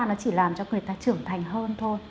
nó chỉ làm cho người ta trưởng thành hơn thôi